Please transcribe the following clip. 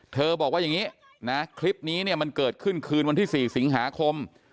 บอกว่าอย่างนี้นะคลิปนี้เนี่ยมันเกิดขึ้นคืนวันที่๔สิงหาคม